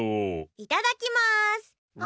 いただきます。